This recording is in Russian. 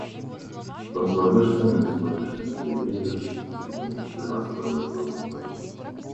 Бангладеш ценит сегодняшнее заявление заместителя министра иностранных дел Кубы.